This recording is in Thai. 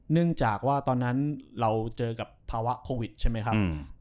เนื่องจากว่าตอนนั้นเราเจอกับภาวะโควิดใช่ไหมครับ